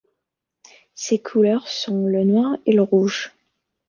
Ses couleurs sont le noir et le rouge.